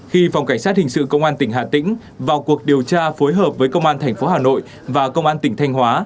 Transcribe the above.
khi phòng cảnh sát hình sự công an tỉnh hà tĩnh vào cuộc điều tra phối hợp với công an thành phố hà nội và công an tỉnh thanh hóa